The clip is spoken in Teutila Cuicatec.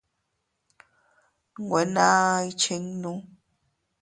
Nwe naa ikchinnu.